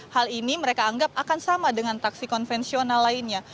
hal ini mereka anggap akan sama dengan taksi konvensional lainnya